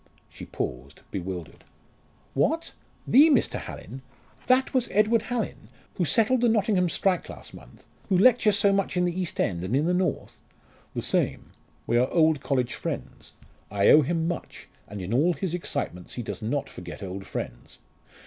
She paused bewildered. "What! the Mr. Hallin that was Edward Hallin who settled the Nottingham strike last month who lectures so much in the East End, and in the north?" "The same. We are old college friends. I owe him much, and in all his excitements he does not forget old friends.